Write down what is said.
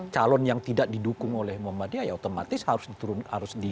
calon yang tidak didukung oleh muhammadiyah ya otomatis harus diturunkan